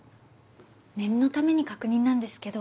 念のために確認なんですけど。